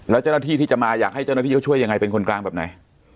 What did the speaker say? แล้วเจ้าหน้าที่ที่จะมาอยากให้เจ้าหน้าที่เขาช่วยยังไงเป็นคนกลางแบบไหน